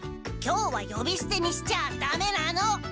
今日はよびすてにしちゃあダメなの！